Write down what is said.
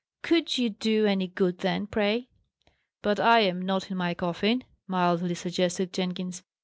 "Could you do any good then, pray?" "But I am not in my coffin," mildly suggested Jenkins.